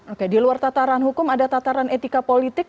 oke di luar tataran hukum ada tataran etika politik